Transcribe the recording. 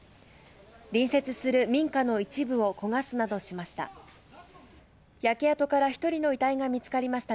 隣接する民家の一部を焦がすなどしました。